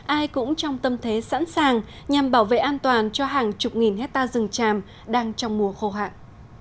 ai cũng trong tâm thế sẵn sàng nhằm bảo vệ an toàn cho hàng chục nghìn hectare rừng tràm đang trong mùa khô hạn